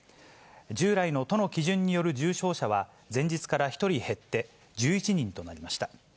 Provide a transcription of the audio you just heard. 従来の都の基準による重症者は、前日から１人減って１１人となりました。